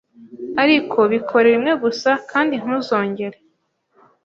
Ariko bikore rimwe gusa kandi ntuzongere